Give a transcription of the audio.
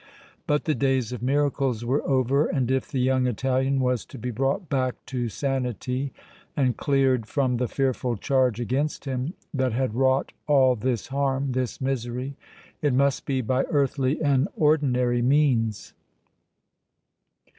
But the days of miracles were over, and if the young Italian was to be brought back to sanity and cleared from the fearful charge against him that had wrought all this harm, this misery, it must be by earthly and ordinary means.